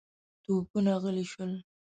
توپونه غلي شول.